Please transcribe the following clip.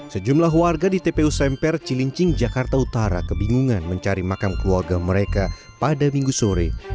sejumlah warga di tpu semper cilincing jakarta utara kebingungan mencari makam keluarga mereka pada minggu sore